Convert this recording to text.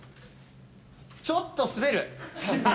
ちょっと滑る。